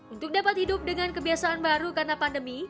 untuk dapat hidup dengan kebiasaan baru karena pandemi